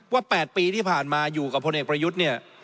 ๘ปีที่ผ่านมาอยู่กับพลเอกประยุทธ์เนี่ย